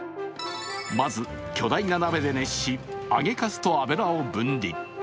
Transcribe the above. まず巨大な鍋で熱し揚げかすと油を分離。